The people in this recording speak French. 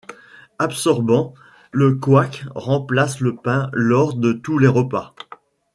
Absorbant, le couac remplace le pain lors de tous les repas.